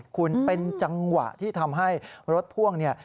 คุณเป็นจังหวะที่ทำให้รถพ่วงเนี่ย